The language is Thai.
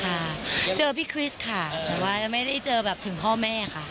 ไม่ค่ะยังค่ะเจอพี่คริสค่ะแต่ว่าไม่ได้เจอแบบถึงพ่อแม่ค่ะ